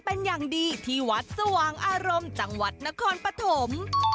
เป็นอย่างดีที่วัดสว่างอารมณ์จังหวัดนครปฐม